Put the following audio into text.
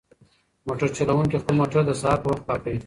موټر چلونکی خپل موټر د سهار په وخت کې پاکوي.